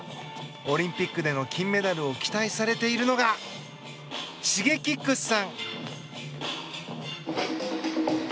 オリンピックでの金メダルを期待されているのがＳｈｉｇｅｋｉｘさん。